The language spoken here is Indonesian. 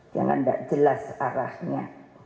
jangan enggak jelas arahnya